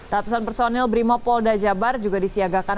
ratusan personil brimopolda jawa barat juga disiagakan